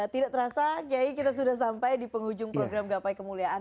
tidak terasa kiai kita sudah sampai di penghujung program gapai kemuliaan